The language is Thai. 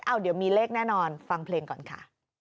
เดี๋ยวมีเลขแน่นอนฟังเพลงก่อนค่ะ